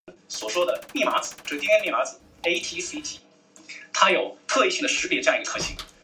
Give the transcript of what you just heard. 其中著名片段为以屠杀毫无抵抗的沉默牛只来评论杀戮工人的举动。